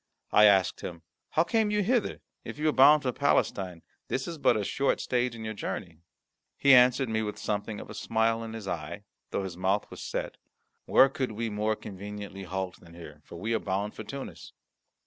I asked him, "How came you hither? If you are bound for Palestine, this is but a short stage in your journey." He answered me with something of a smile in his eye, though his mouth was set, "Where could we more conveniently halt than here, for we are bound for Tunis?"